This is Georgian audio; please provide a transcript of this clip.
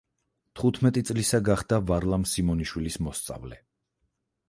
თხუთმეტი წლისა გახდა ვარლამ სიმონიშვილის მოსწავლე.